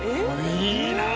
いいなあ！